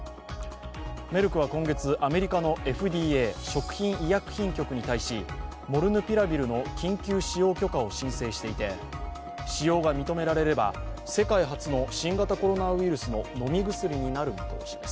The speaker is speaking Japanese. メルクは今月、アメリカのＦＤＡ＝アメリカ食品医薬品局にたいしモルヌピラビルの緊急使用許可を申請していて使用が認められれば世界初の新型コロナウイルスの飲み薬になる見通しです。